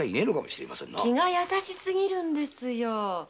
気が優しすぎるんですよ。